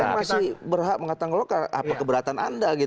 saya masih berhak mengatakan keberatan anda gitu